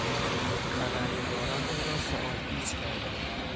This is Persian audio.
خبرنگاران او را سوالپیچ کردند.